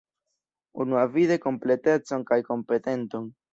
Unuavide kompletecon kaj kompetenton.